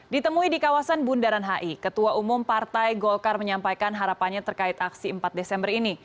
ditemui di kawasan bundaran hi ketua umum partai golkar menyampaikan harapannya terkait aksi empat desember ini